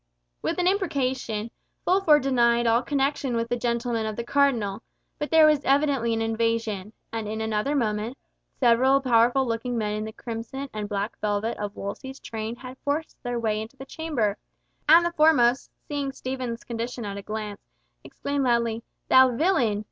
With an imprecation, Fulford denied all connection with gentlemen of the Cardinal; but there was evidently an invasion, and in another moment, several powerful looking men in the crimson and black velvet of Wolsey's train had forced their way into the chamber, and the foremost, seeing Stephen's condition at a glance, exclaimed loudly, "Thou villain!